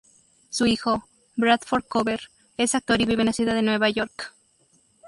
Su hijo, Bradford Cover, es actor y vive en la ciudad de Nueva York.